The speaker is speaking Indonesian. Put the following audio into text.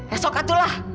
esok atuh lah